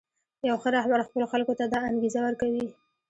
یو ښه رهبر خپلو خلکو ته دا انګېزه ورکوي.